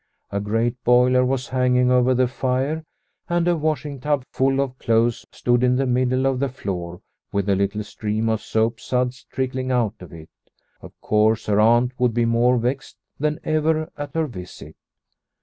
A great boiler was hanging over the fire, and a washing tub full of clothes stood in the middle of the floor with a little stream of soap suds trickling out of it. Of course, her aunt would be more vexed than ever at her visit.